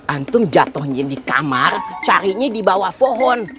antum jatuhnya di kamar carinya di bawah pohon